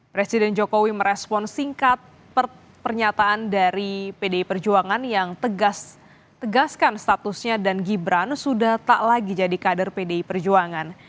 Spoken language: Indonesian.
presiden jokowi merespon singkat pernyataan dari pdi perjuangan yang tegaskan statusnya dan gibran sudah tak lagi jadi kader pdi perjuangan